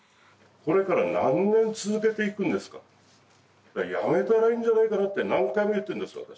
これから何年続けていくんですかやめたらいいんじゃないかなって何回も言ってるんです私